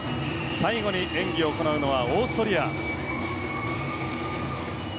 最後に演技を行うのはオーストリア。